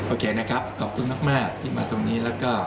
โอเคนะครับขอบคุณมากที่มาตรงนี้แล้วก็